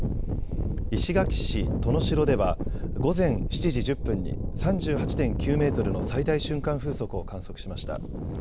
石垣市登野城では午前７時１０分に３８．９メートルの最大瞬間風速を観測しました。